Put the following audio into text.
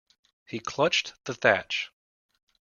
He clutched the thatch.